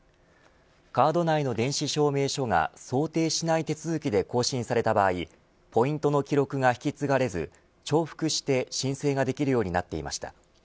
カード内の電子証明書が想定しない手続きで更新された場合ポイントの記録が引き継がれず重複して申請ができるようになっていました。